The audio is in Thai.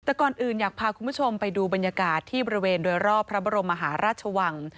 แต่ก่อนอื่นอยากพาคุณผู้ชมไปดูบรรยากาศที่บริเวณโดยรอบพระบรมมหาราชวัง